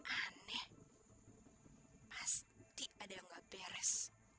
aneh pasti ada nggak beres